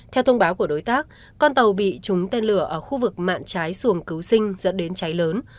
theo thông báo của đối tác con tàu bị trúng tên lửa ở khu vực mạng trái xuồng cứu sinh dẫn đến cháy lớn